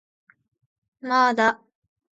まーだ